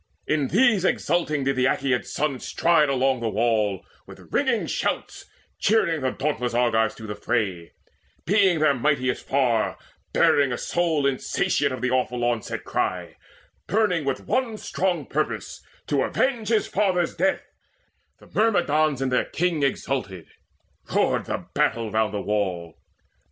In these exulting did the Aeacid's son Stride all along the wall, with ringing shouts Cheering the dauntless Argives to the fray, Being their mightiest far, bearing a soul Insatiate of the awful onset cry, Burning with one strong purpose, to avenge His father's death: the Myrmidons in their king Exulted. Roared the battle round the wall.